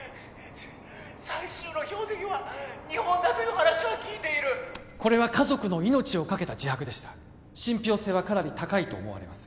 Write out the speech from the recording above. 最終の標的は日本だという話は聞いているこれは家族の命をかけた自白でした信ぴょう性はかなり高いと思われます